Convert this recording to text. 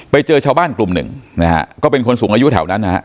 ไปเจอชาวบ้านกลุ่มหนึ่งนะฮะก็เป็นคนสูงอายุแถวนั้นนะฮะ